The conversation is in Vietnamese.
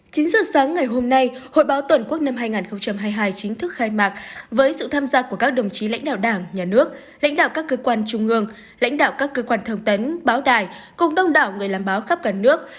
chín giờ sáng ngày hôm nay hội báo toàn quốc năm hai nghìn hai mươi hai chính thức khai mạc với sự tham gia của các đồng chí lãnh đạo đảng nhà nước lãnh đạo các cơ quan trung ương lãnh đạo các cơ quan thông tấn báo đài cùng đông đảo người làm báo khắp cả nước